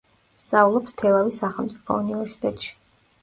სწავლობს თელავის სახელმწიფო უნივერსიტეტში.